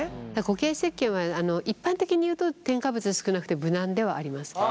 固形せっけんは一般的にいうと添加物少なくて無難ではあります。